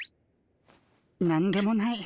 何でもない。